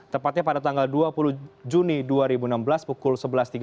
tepatnya pada tanggal dua puluh juni dua ribu enam belas pukul sebelas tiga puluh